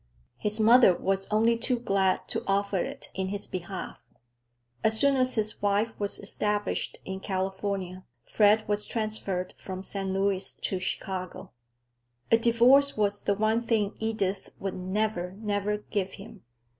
His mother was only too glad to offer it in his behalf. As soon as his wife was established in California, Fred was transferred from St. Louis to Chicago. A divorce was the one thing Edith would never, never, give him.